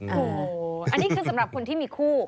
โอ้โหอันนี้คือสำหรับคนที่มีคู่